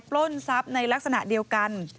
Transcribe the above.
ปล้นทรัพย์ในลักษณะเดียวกัน